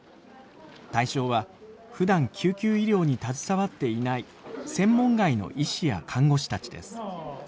対象はふだん救急医療に携わっていない専門外の医師や看護師たちです。